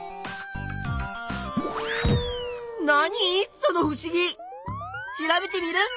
そのふしぎ！調べテミルン！